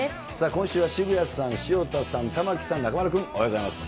今週は渋谷さん、潮田さん、玉城さん、中丸君、おはようございます。